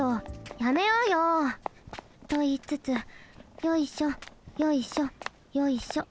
やめようよ。といいつつよいしょよいしょよいしょ。